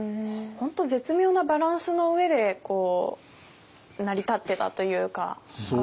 本当絶妙なバランスの上で成り立ってたというか。